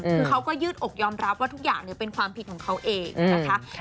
คือเขาก็ยืดอกยอมรับว่าทุกอย่างเป็นความผิดของเขาเองนะคะ